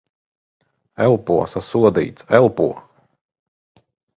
Elpo. Sasodīts. Elpo!